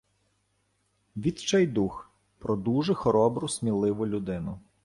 Відчайдух – про дуже хоробру, сміливу людину.